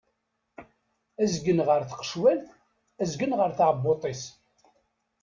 Azgen ɣer tqecwalt, azgen ɣer tɛebbuṭ-is.